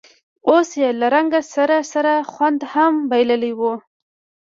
اوس یې له رنګ سره سره خوند هم بایللی و.